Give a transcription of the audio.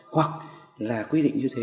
hoặc là quy định như thế